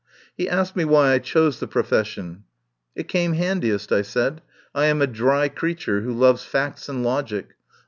He asked me why I chose the profession. "It came handiest," I said. "I am a dry creature, who loves facts and logic.